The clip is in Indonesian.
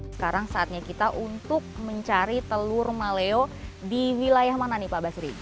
sekarang saatnya kita untuk mencari telur maleo di wilayah mana nih pak basri